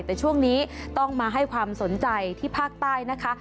แต่ช่วงนี้ต้องมาให้ความสนใจที่ภาคใต้นะคะ